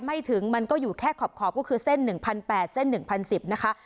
ไม่ถึงมันก็อยู่แค่ขอบก็คือเส้น๑๘๐๐เส้น๑๐๑๐นะคะ